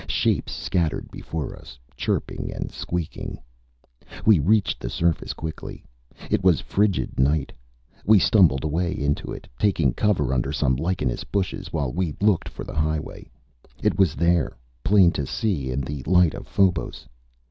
Shapes scattered before us, chirping and squeaking. We reached the surface quickly. It was frigid night. We stumbled away into it, taking cover under some lichenous bushes, while we looked for the highway. It was there, plain to see, in the light of Phobos.